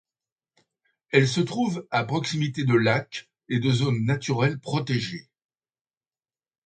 Elle se trouve à proximité de lacs et de zones naturelles protégées.